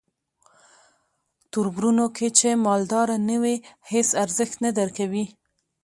توربرونو کې چې مالداره نه وې هیس ارزښت نه درکوي.